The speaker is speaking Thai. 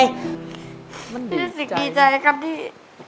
ได้ซิกใจครับที่